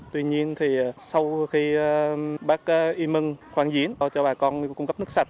tuy nhiên thì sau khi bác y mung khoan diễn cho bà con cung cấp nước sạch